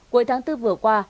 cuối tháng bốn vừa qua